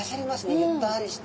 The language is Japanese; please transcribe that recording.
ゆったりして。